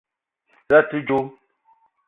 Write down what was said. Za a te djo?